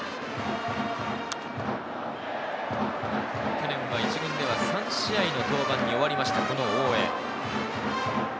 去年は１軍では３試合の登板に終わりました大江。